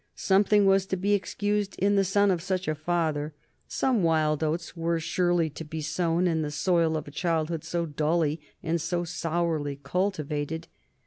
Something was to be excused in the son of such a father; some wild oats were surely to be sown in the soil of a childhood so dully and so sourly cultivated.